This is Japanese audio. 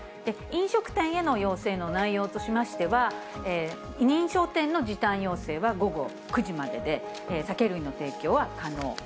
飲食店への要請の内容としましては、認証店の時短要請は午後９時までで、酒類の提供は可能。